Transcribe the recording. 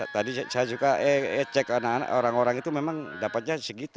tadi saya suka cek orang orang itu memang dapatnya segitu